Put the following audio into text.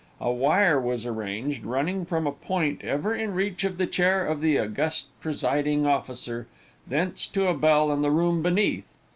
A wire was arranged, running from a point ever in reach of the chair of the august presiding officer, thence to a bell in the room beneath.